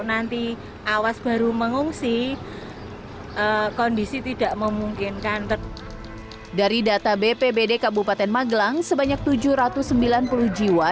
nanti awas baru mengungsi kondisi tidak memungkinkan dari data bpbd kabupaten magelang sebanyak tujuh ratus sembilan puluh jiwa